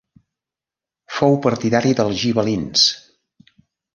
Fou partidari dels gibel·lins.